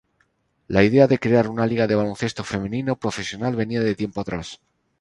La idea de crear una liga de baloncesto femenino profesional venía de tiempo atrás.